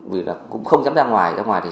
vì không dám ra ngoài